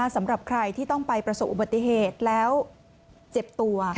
สำหรับใครที่ต้องไปประสบอุบัติเหตุแล้วเจ็บตัว